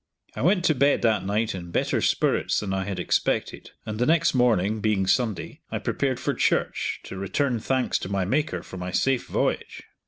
I went to bed that night in better spirits than I had expected, and the next morning, being Sunday, I prepared for church, to return thanks to my maker for my safe voyage.